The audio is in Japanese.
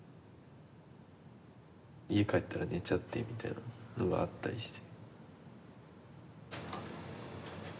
家帰ったら寝ちゃってみたいなのがあったりして。